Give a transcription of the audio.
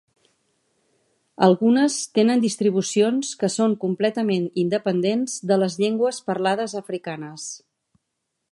Algunes tenen distribucions que són completament independents de les llengües parlades africanes.